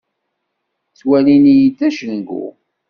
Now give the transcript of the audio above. Ttwalin-iyi d acengu.